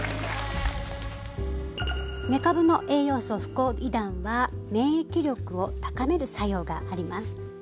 めかぶの栄養素フコイダンは免疫力を高める作用があります。